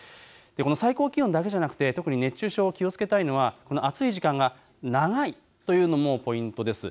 最高気温だけじゃなくて熱中症、気をつけたいのは暑い時間が長いというのもポイントです。